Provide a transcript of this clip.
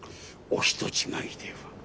お人違いでは？